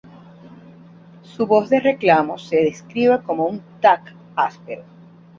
Su voz de reclamo se describe como un ""tac"" áspero.